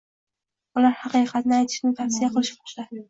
Ular haqiqatni aytishni tavsiya etishmoqda